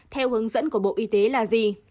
theo hướng dẫn của bộ y tế là gì